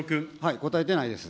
答えてないです。